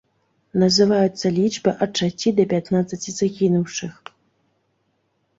Называюцца лічбы ад шасці да пятнаццаці загінуўшых.